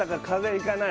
ひかない